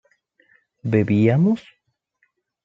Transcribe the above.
bebíamos